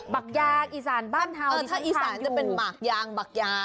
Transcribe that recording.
บักยางอีสานบ้านเทาเออถ้าอีสานจะเป็นหมากยางหมักยาง